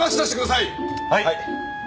はい！